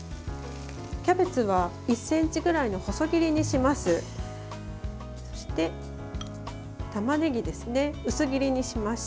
キャベツは１ｃｍぐらいの細切りにします。